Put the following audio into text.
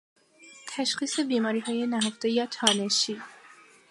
تشخیص بیماریهای نهفته یا تانشی